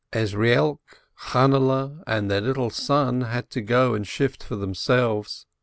Ezrielk, Channehle, and their little son had to go and shift for themselves.